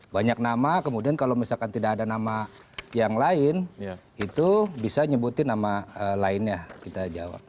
banyak nama kemudian kalau misalkan tidak ada nama yang lain itu bisa nyebutin nama lainnya kita jawab